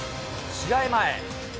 試合前。